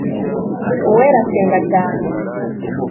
Uwera asenga cyane